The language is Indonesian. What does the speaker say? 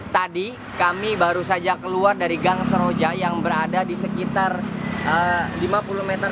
tadi kami baru saja keluar dari gang seroja yang berada di sekitar lima puluh meter